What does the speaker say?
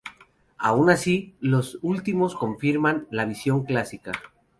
Aun así, los últimos confirman la visión clásica.